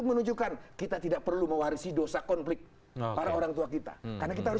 menurut saya tidak ada yang salah di situ